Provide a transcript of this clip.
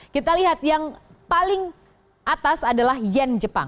kita lihat yang paling atas adalah yen jepang